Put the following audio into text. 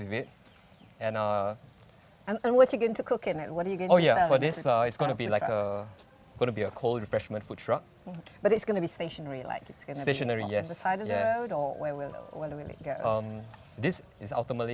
karena kamu benar benar harus membuat uang kembali